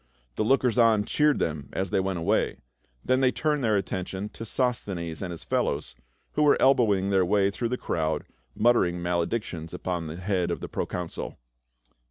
The lookers on cheered them as they went away ; then they turned their attention to Sos thenes and his fellows, who were elbowing their way through the crowd, muttering maledictions upon the head of the proconsul.